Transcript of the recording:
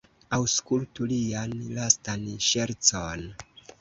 Aŭskultu lian lastan ŝercon!